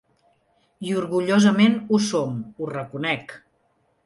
I orgullosament ho som, ho reconec.